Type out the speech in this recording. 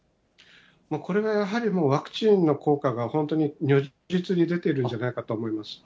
これがやはりもう、ワクチンの効果が本当に如実に出ているんじゃないかと思います。